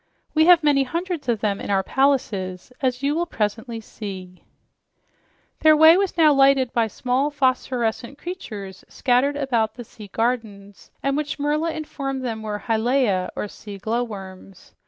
"We have many hundreds of them in our palaces, as you will presently see." Their way was now lighted by small, phosphorescent creatures scattered about the sea gardens and which Merla informed them were hyalaea, or sea glowworms.